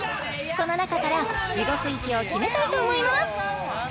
この中から地獄行きを決めたいと思います！